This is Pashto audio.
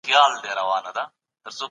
ډېره غصه دوستي ماتوي